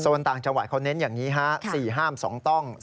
ส่วนต่างจังหวัดเขาเน้นอย่างนี้ฮะ๔ห้าม๒ต้อง